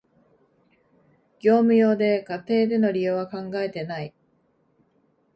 業務用で、家庭での利用は考えてない